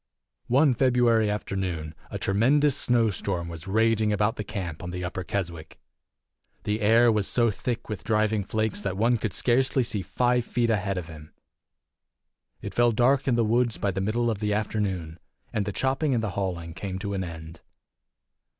One February afternoon a tremendous snow storm was raging about the camp on the Upper Keswick. The air was so thick with driving flakes that one could scarcely see five feet ahead of him. It fell dark in the woods by the middle of the afternoon, and the chopping and the hauling came to an end.